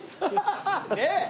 ねえ！